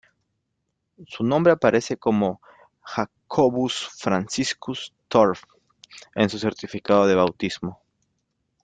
Su nombre aparece como "Jacobus Franciscus Thorpe" en su certificado de bautismo.